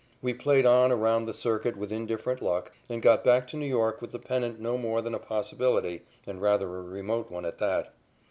We played on around the circuit with indifferent luck and got back to New York with the pennant no more than a possibility, and rather a remote one at that.